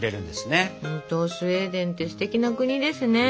本当スウェーデンってすてきな国ですね。ね！